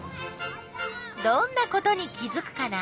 どんなことに気づくかな？